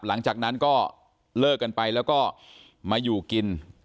หลังจากนั้นก็เลิกกันไปแล้วก็มาอยู่กิน